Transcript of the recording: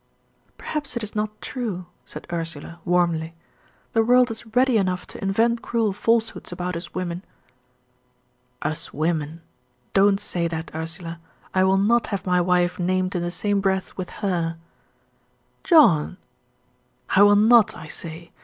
"Perhaps it is not true," said Ursula, warmly. "The world is ready enough to invent cruel falsehoods about us women." "'Us women!' Don't say that, Ursula. I will not have my wife named in the same breath with HER." "John!" "I will not, I say.